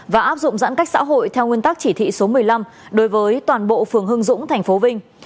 và áp dụng giãn cách xã hội theo nguyên tắc chỉ thị số một mươi năm đối với toàn bộ phường hưng dũng tp vinh